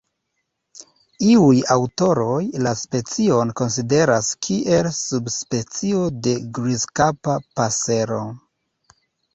Iuj aŭtoroj la specion konsideras kiel subspecio de Grizkapa pasero.